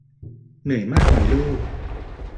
เหนื่อยมากไหมลูก